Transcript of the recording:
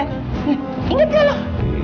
nih inget aja loh